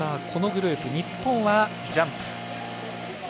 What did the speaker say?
このグループ日本はジャンプ。